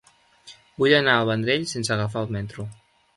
Vull anar al Vendrell sense agafar el metro.